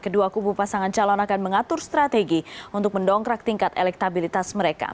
kedua kubu pasangan calon akan mengatur strategi untuk mendongkrak tingkat elektabilitas mereka